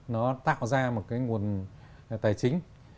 nó tạo ra một nguồn tài chính